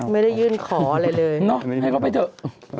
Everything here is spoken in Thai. ไม่ได้ยื่นขออะไรเลยให้เขาไปเถอะ